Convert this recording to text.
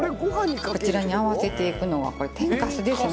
こちらに合わせていくのはこれ天かすですね。